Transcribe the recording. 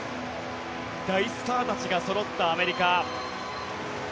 大スターたちがそろったアメリカ。